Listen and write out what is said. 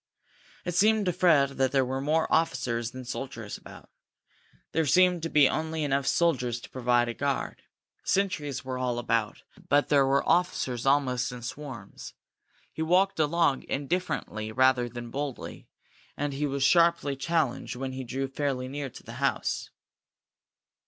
It seemed to Fred that there were more officers than soldiers about. There seemed to be only enough soldiers to provide a guard. Sentries were all about, but there were officers almost in swarms. He walked along, indifferently rather than boldly, and he was sharply challenged when he drew fairly near to the house.